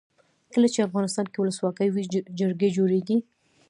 کله چې افغانستان کې ولسواکي وي جرګې جوړیږي.